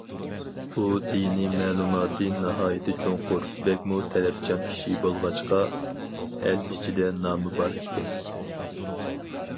ئۇ، دىنىي مەلۇماتى ناھايىتى چوڭقۇر، بەكمۇ تەلەپچان كىشى بولغاچقا، ئەل ئىچىدە نامى بار ئىكەن.